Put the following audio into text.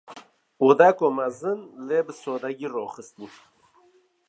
Odeke mezin; lê bi sadegî raxistî.